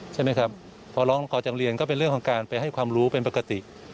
ใช่ไหมครับพอร้องขอจากเรียนก็เป็นเรื่องของการไปให้ความรู้เป็นปกติ